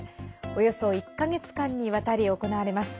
およそ１か月間にわたり行われます。